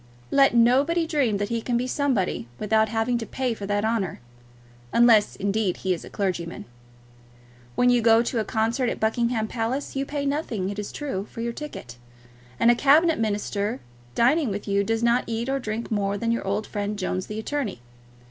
Let nobody dream that he can be somebody without having to pay for that honour; unless, indeed, he be a clergyman. When you go to a concert at Buckingham Palace you pay nothing, it is true, for your ticket; and a Cabinet Minister dining with you does not eat or drink more than your old friend Jones the attorney.